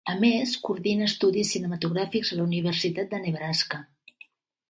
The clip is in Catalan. A més, coordina estudis cinematogràfics a la Universitat de Nebraska.